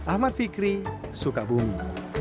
ahmad fikri sukabumi